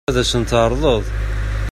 Ad as-ten-tɛeṛḍeḍ?